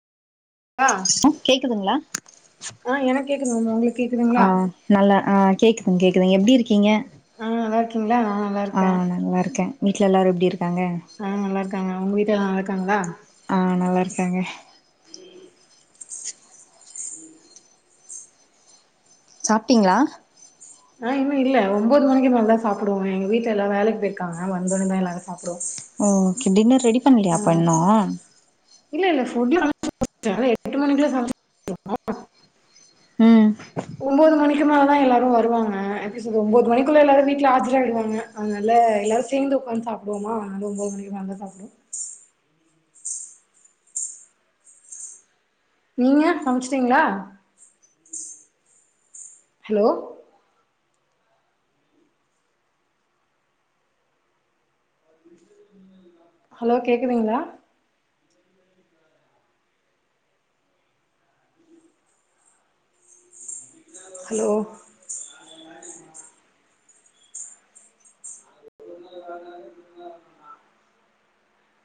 ஆ அ கேக்குதுங்களா அ எனக்கு கேக்குது மேம் உங்களுக்கு ஆ கேக்குதுங்களா நல்ல ஆ கேக்குதுங்க கேக்குதுங்க எப்டி இருக்கீங்க ஆ நல்லா இருக்கீங்களா நா நல்லா ஆ இருக்கே நல்லாருக்கே வீட்ல எல்லாரு எப்டிருக் ஆ நல்லாருக்காங்க உங்க வீட்ல எல்லா நல்லாருக்காங்ளா ஆ நல்லாருக்காங்க சாப்டீங்ளா ஆ இன்னு இல்ல ஒம்போது மணிக்கு மேல தா சாப்டுவோமே எங்க வீட்ல எல்லா வேலைக் போயிருக்காங்க வந்தோன்னே தா எல்லாரு சாப் ம் ஓகே டின்னர் ரெடி பண்லையா அப்ப இன்னு [inaudible] ம் கு மேல தா எல்லாரு வருவாங்க எப்டி சொல்றதூ ஒம்போது மணிக்குள்ள எல்லாரு வீட்ல ஆஜர் ஆயிடுவாங்க அத்னால எல்லாரு சேந்து ஒக்காந் சாப்டுவோமா அதூ ஒம்போது மணிக்கு மேலதா சாப்டுவோ நீங்க சம்ச்சுட்டீங்ளா ஹலோ ஹலோ கேக்குதுங்ளா ஹலோ